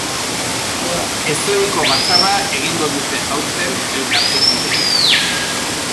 Ezohiko batzarra egingo dute aurten elkartekideek.